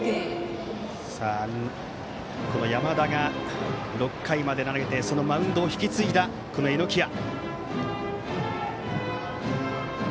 山田が６回まで投げてそのマウンドを引き継いだ榎谷。